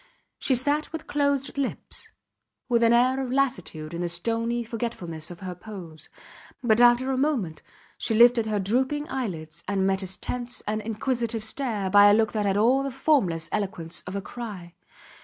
She sat with closed lips, with an air of lassitude in the stony forgetfulness of her pose, but after a moment she lifted her drooping eyelids and met his tense and inquisitive stare by a look that had all the formless eloquence of a cry.